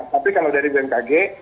tapi kalau dari bmkg